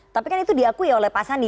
tapi kan itu diakui oleh pak sandi